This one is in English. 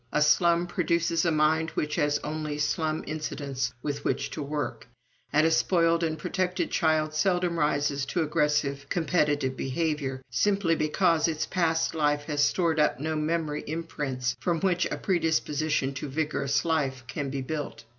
A slum produces a mind which has only slum incidents with which to work, and a spoiled and protected child seldom rises to aggressive competitive behavior, simply because its past life has stored up no memory imprints from which a predisposition to vigorous life can be built.